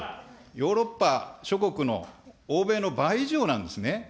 ヨーロッパ諸国の、欧米の倍以上なんですね。